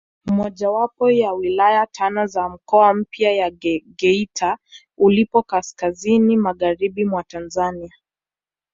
Mojawapo ya wilaya tano za mkoa mpya wa Geita uliopo kaskazini magharibi mwa Tanzania